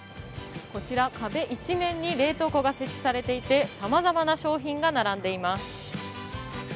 こちら、壁一面に冷凍庫が設置されていてさまざまな商品が並んでいます。